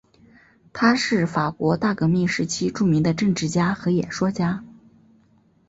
他是法国大革命时期著名的政治家和演说家。